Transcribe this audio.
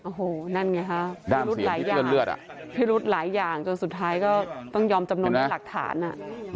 โอ้โหนั่นไงฮะพิรุธหลายอย่างพิรุธหลายอย่างจนสุดท้ายก็ต้องยอมจำนวนด้วยหลักฐานอ่ะ